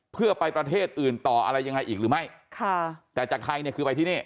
เพื่อไปประเทศอื่นต่ออะไรยังไงอีกหรือไม่ค่ะแต่จากไทยเนี่ยคือไปที่นี่